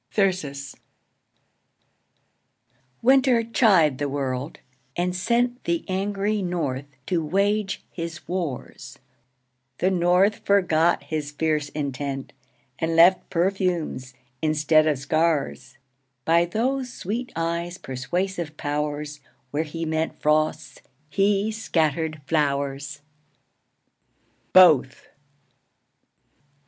Thyrsis. Winter chid the world, and sent The angry North to wage his wars: The North forgot his fierce intent, And left perfumes, instead of scars: By those sweet eyes' persuasive powers, Where he meant frosts, he scattered flowers. Both.